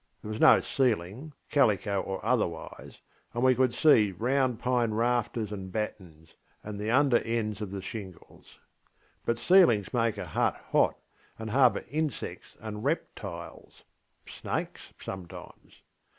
There was no ceiling, calico or otherwise, and we could see the round pine rafters and battens, and the under ends of the shingles. But ceilings make a hut hot and harbour insects and reptilesŌĆösnakes sometimes.